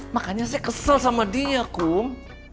makanya saya kesel sama dia kum